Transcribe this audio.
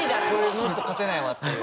この人勝てないわっていう